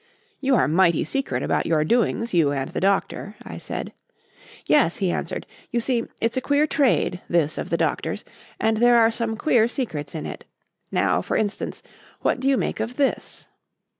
"You are mighty secret about your doings, you and the Doctor," I said. "Yes," he answered. "You see, it's a queer trade this of the Doctor's, and there are some queer secrets in it. Now, for instance, what do you make of this?"